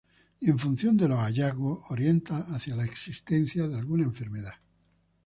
Y en función de los hallazgos, orienta hacia la existencia de alguna enfermedad.